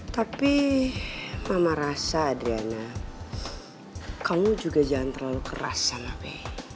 tapi mama rasa adriana kamu juga jangan terlalu keras sama be